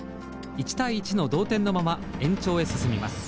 １対１の同点のまま延長へ進みます。